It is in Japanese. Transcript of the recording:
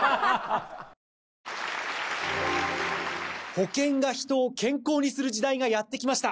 保険が人を健康にする時代がやってきました！